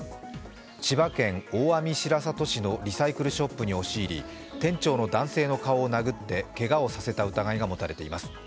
千葉県大網白里市のリサイクルショップに押し入り店長の男性の顔を殴ってけがをさせた疑いが持たれています。